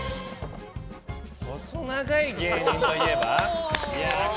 細長い芸人といえば？